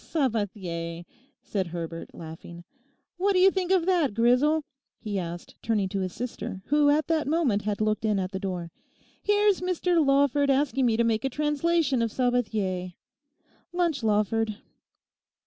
'Oh, Sabathier!' said Herbert, laughing. 'What do you think of that, Grisel?' he asked, turning to his sister, who at that moment had looked in at the door. 'Here's Mr Lawford asking me to make a translation of Sabathier. Lunch, Lawford.